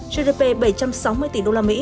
gdp bảy trăm sáu mươi tỷ usd